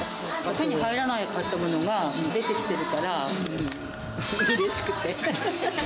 手に入らなかったものが出てきてるから、うれしくて。